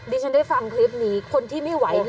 ฉันได้ฟังคลิปนี้คนที่ไม่ไหว